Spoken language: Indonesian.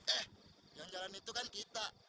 eh yang jalan itu kan kita